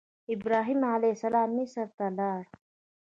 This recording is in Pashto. ابراهیم علیه السلام مصر ته لاړ.